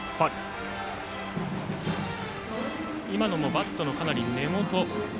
今のもバットのかなり根元。